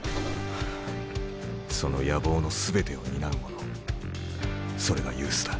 その野望の全てを担う者それがユースだ。